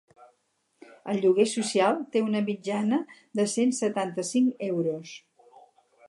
El lloguer social té una mitjana de cent setanta-cinc euros.